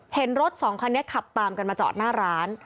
เห็นรถสองคันนี้ขับตามกันมาจอดหน้าร้าน